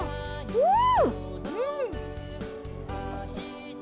うん！